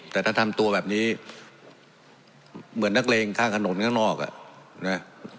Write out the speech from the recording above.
แต่ถ้าทำตัวแบบนี้เหมือนนักเลงข้างถนนข้างนอกอ่ะนะ